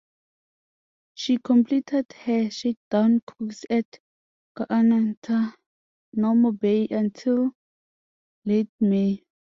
She completed her shakedown cruise at Guantanamo Bay until late May.